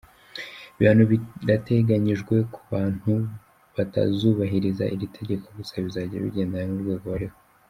Ibihano birateganyijwe ku bantu batazubahiriza iri tegeko, gusa bizajya bigendana n’urwego bariho.